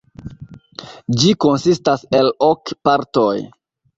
Ĝi konsistas el ok partoj.